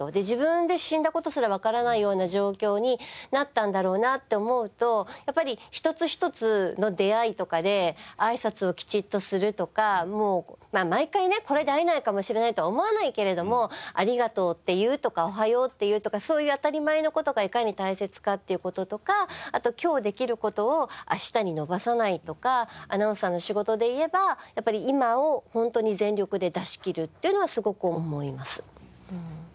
自分で死んだ事すらわからないような状況になったんだろうなって思うとやっぱり一つ一つの出会いとかであいさつをきちっとするとか毎回これで会えないかもしれないとは思わないけれどもありがとうって言うとかおはようって言うとかそういう当たり前の事がいかに大切かっていう事とかあと今日できる事を明日に延ばさないとかアナウンサーの仕事でいえばやっぱり今をホントに全力で出し切るっていうのはすごく思います。